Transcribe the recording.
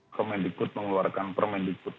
permain digbut mengeluarkan permain digbut